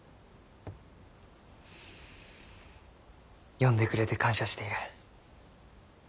呼んでくれて感謝している。